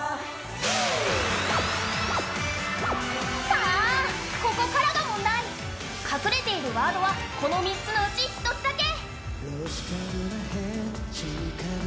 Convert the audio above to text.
さあ、ここからが問題、隠れているワードはこの３つのうち１つだけ！